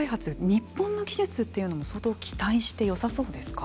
日本の技術というのも相当期待してよさそうですか。